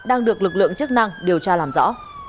đang được lực lượng chức năng điều tra làm rõ